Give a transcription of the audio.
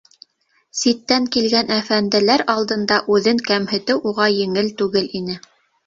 Ситтән килгән әфәнделәр алдында үҙен кәмһетеү уға еңел түгел ине.